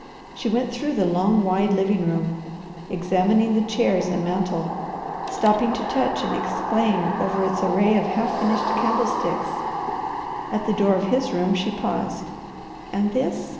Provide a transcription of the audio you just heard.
She went through the long, wide living room, examining the chairs and mantel, stopping to touch and exclaim over its array of half finished candlesticks. At the door of his room she paused. "And this?"